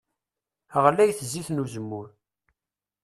Ɣlayet zzit n uzemmur.